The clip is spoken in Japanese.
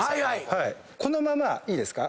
このままいいですか？